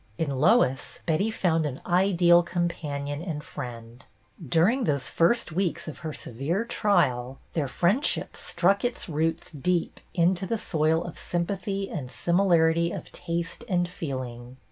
In Lois, Betty found an ideal companion and friend ; during those first weeks of her severe trial, their friendship struck its roots deep into the soil of sympathy and similarity of taste and feeling.